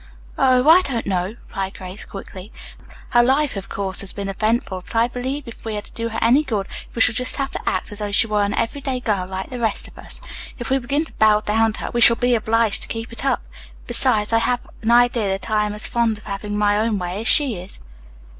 "Oh, I don't know," replied Grace quickly. "Her life, of course, has been eventful, but I believe if we are to do her any good we shall just have to act as though she were an everyday girl like the rest of us. If we begin to bow down to her, we shall be obliged to keep it up. Besides, I have an idea that I am as fond of having my own way as she is."